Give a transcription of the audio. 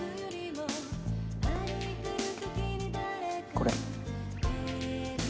これ。